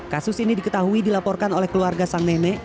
kasus ini diketahui dilaporkan oleh keluarga sang nenek